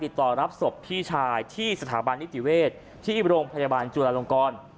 ติดต่อรับศพพี่ชายที่สถาบันนิติเวศที่โรงพยาบาลจุลาลงกร